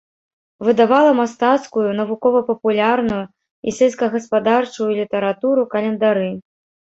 Выдавала мастацкую, навукова-папулярную і сельскагаспадарчую літаратуру, календары.